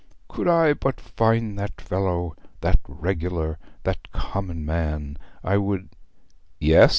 Could I but find that fellow, that regular, that common man, I would ' 'Yes?'